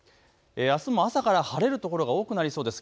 あすは朝から晴れる所が多くなりそうです。